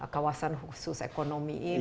kawasan khusus ekonomi ini